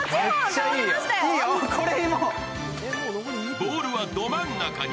ボールはど真ん中に。